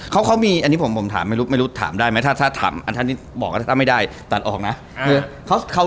เค้ามีอันนี้ผมถามไม่รู้ถามได้ไหมถ้าถามอันท่านนี้บอกถ้าไม่ได้ตัดออกนะ